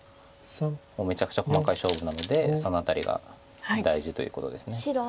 もうめちゃくちゃ細かい勝負なのでその辺りが大事ということです。